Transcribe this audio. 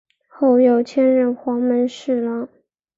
后又迁任黄门侍郎。